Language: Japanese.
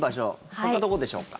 どんなところでしょうか？